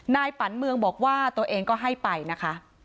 ปันเมืองบอกว่าตัวเองก็ให้ไปนะคะ